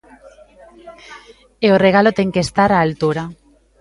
E o regalo ten que estar á altura.